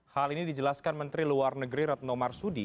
hal ini dijelaskan menteri luar negeri retno marsudi